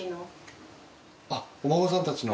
あっお孫さんたちの。